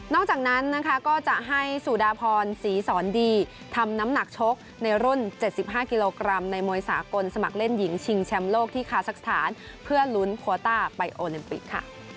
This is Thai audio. จากนั้นนะคะก็จะให้สุดาพรศรีสอนดีทำน้ำหนักชกในรุ่น๗๕กิโลกรัมในมวยสากลสมัครเล่นหญิงชิงแชมป์โลกที่คาซักสถานเพื่อลุ้นโควต้าไปโอลิมปิกค่ะ